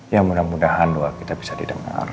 ya mudah mudahan doa kita bisa didengar